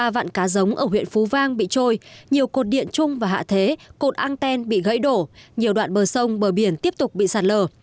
ba vạn cá giống ở huyện phú vang bị trôi nhiều cột điện trung và hạ thế cột an ten bị gãy đổ nhiều đoạn bờ sông bờ biển tiếp tục bị sạt lờ